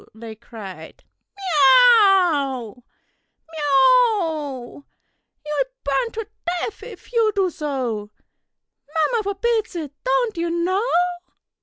they cried, "Me ow, me o, You'll burn to death, if you do so. Mamma forbids it, don't you know?"